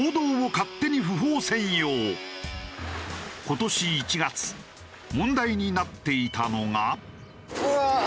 今年１月問題になっていたのが。